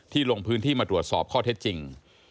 ลงพื้นที่มาตรวจสอบข้อเท็จจริง